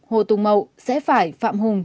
hồ tùng mậu sẽ phải phạm hùng